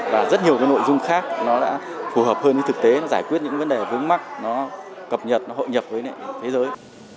và rất nhiều nội dung khác nó đã phù hợp hơn với thực tế giải quyết những vấn đề vướng mắt nó cập nhật hội nhập với thế giới